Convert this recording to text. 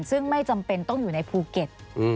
ซึ่งไม่จำเป็นต้องอยู่ในภูเก็ต